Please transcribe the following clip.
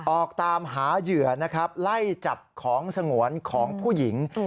ออกตามหาเหยื่อนะครับไล่จับของสงวนของผู้หญิง